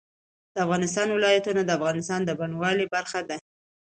د افغانستان ولايتونه د افغانستان د بڼوالۍ برخه ده.